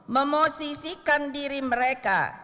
memosisikan diri mereka